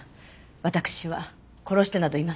私は殺してなどいません。